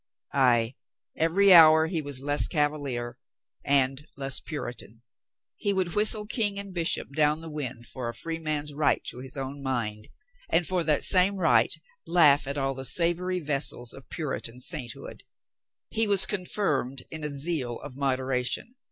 Ay, every hour he was less Cavalier and less Puritan. He would whistle King and Bishop down the wind for a free man's right to his own mind, and for that same right laugh at all the savory vessels of Puritan sainthood. He was confirmed in a zeal of modera tion.